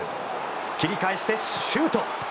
切り替えして、シュート！